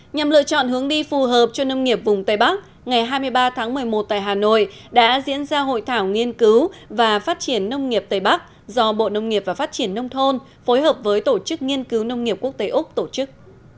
nhằm lựa chọn hướng đi phù hợp cho nông nghiệp vùng tây bắc ngày hai mươi ba tháng một mươi một tại hà nội đã diễn ra hội thảo nghiên cứu và phát triển nông nghiệp tây bắc do bộ nông nghiệp và phát triển nông thôn phối hợp với tổ chức nghiên cứu nông nghiệp quốc tế úc tổ chức